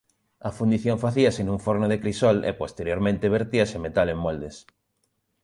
A fundición facíase nun forno de crisol e posteriormente vertíase o metal en moldes.